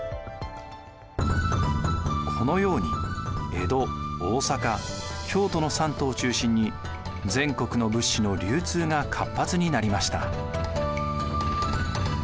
このように江戸大坂京都の三都を中心に全国の物資の流通が活発になりました。